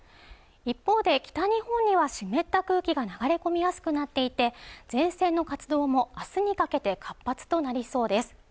一方で北日本には湿った空気が流れ込みやすくなっていて前線の活動もあすにかけて活発となりそうです